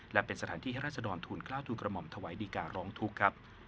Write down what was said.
และเป็นสถานที่ให้ราชดรทูลกล้าวทูลกระหม่อมถวายดีการร้องทุกข์ครับ